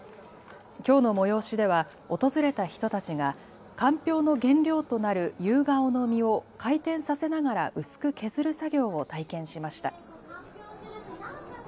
きょうの催しでは訪れた人たちがかんぴょうの原料となるユウガオの実を回転させながら薄く削る作業を体験しました。